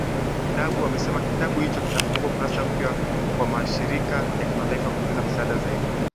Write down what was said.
Ndagu amesema kitabu hicho kitafungua ukurasa mpya kwa mashirika ya kimataifa kuongeza misaada zaidi